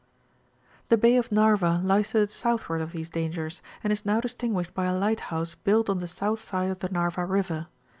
THE BAT OF NA&TA lies to the southward of these dangers, and is now dis tinguished by a lighthouse built on the south side of the Narva River.